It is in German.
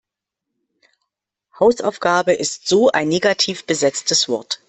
Hausaufgabe ist so ein negativ besetztes Wort.